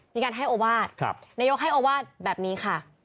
มีการให้โอวาสนายกให้โอวาสแบบนี้ค่ะ